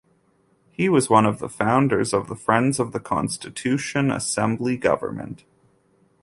He was one of the founders of the Friends of the Constitution Assembly Government.